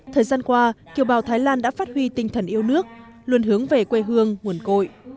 thời gian qua kiều bào thái lan đã phát huy tinh thần yêu nước luôn hướng về quê hương nguồn cội